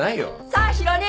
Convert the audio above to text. さあヒロ兄！